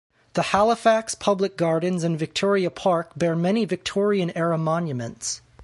The Halifax Public Gardens and Victoria Park bear many Victorian era monuments.